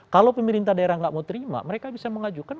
kalau pemerintah daerah nggak mau terima mereka bisa mengajukan